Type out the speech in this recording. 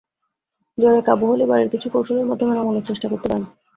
জ্বরে কাবু হলে বাড়িতে কিছু কৌশলের মাধ্যমে নামানোর চেষ্টা করতে পারেন।